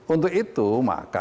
untuk itu maka